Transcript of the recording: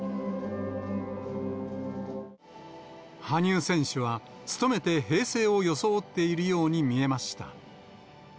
羽生選手はつとめて平静を装っているように見えました。